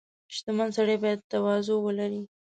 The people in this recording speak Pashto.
• شتمن سړی باید تواضع ولري.